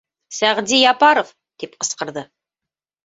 — Сәғди Япаров! — тип ҡысҡырҙы.